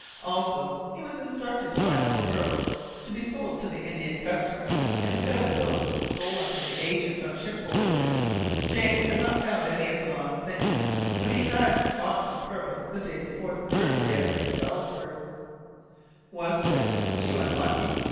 Also, he was instructed to buy more pearls, to be sold to the Indian customer, instead of those stolen from the agent on shipboard. James had not found any of the lost things; but he had bought some pearls the day before the burglary at Mrs. Ellsworth's. Wasn't it too unlucky?